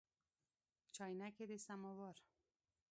چاینکي د سماوار